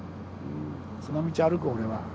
その道を歩く俺は。